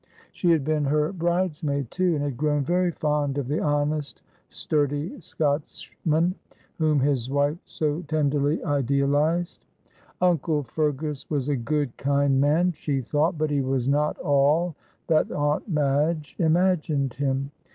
She had been her bridesmaid, too, and had grown very fond of the honest, sturdy Scotchman whom his wife so tenderly idealised. "Uncle Fergus was a good, kind man," she thought, "but he was not all that Aunt Madge imagined him.